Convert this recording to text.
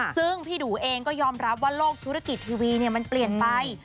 ซึ่งพี่ดูเองก็ยอมรับว่าโลกธุรกิจทีวีมันเปลี่ยนไป